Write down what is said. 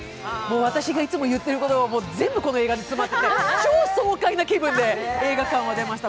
私がいつも言っていることが全部この映画に詰まっていて超爽快な気分で映画館を出ました。